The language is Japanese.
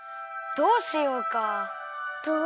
どうしよう？